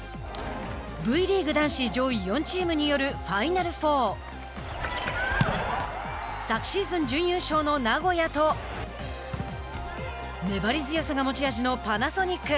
Ｖリーグ男子上位４チームによるファイナル４。昨シーズン準優勝の名古屋と粘り強さが持ち味のパナソニック。